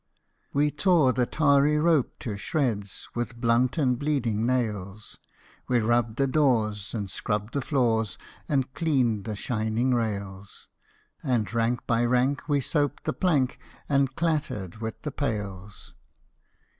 We tore the tarry rope to shreds With blunt and bleeding nails; We rubbed the doors, and scrubbed the floors, And cleaned the shining rails: And, rank by rank, we soaped the plank, And clattered with the pails.